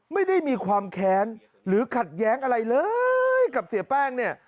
ไม่ได้มีความแค้นหรือขัดแย้งอะไรเลยกับเสียแป้งเนี่ย